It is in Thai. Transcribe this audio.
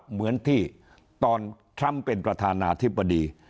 เหมือนที่ตอนทรัมป์เป็นประธานาธิบดี